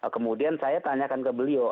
kemudian saya tanyakan ke beliau